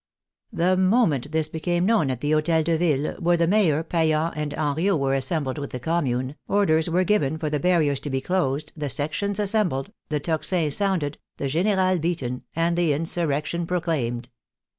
The moment this became known at the Hotel de Ville, where the Mayor, Payan, and Henriot were assembled with the Commune, orders were given for the barriers to be closed, the sections assembled, the tocsin sounded, the generate beaten, and the insurrection proclaimed.